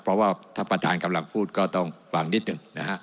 เพราะว่าถ้าประธานกำลังพูดก็ต้องบังนิดนึงนะครับ